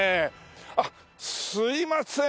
あっすいません。